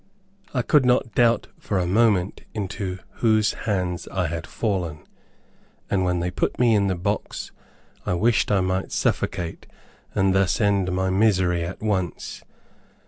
I could not doubt for a moment into whose hands I had fallen, and when they put me into the box, I wished I might suffocate, and thus end my misery at once.